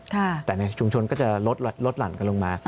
แต่ในชุมชนก็จะลดหลั่นกันลงมา